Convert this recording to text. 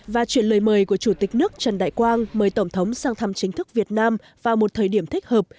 và chuyển lời mời của chủ tịch nước trần đại quang mời tổng thống sang thăm chính thức việt nam vào một thời điểm thích hợp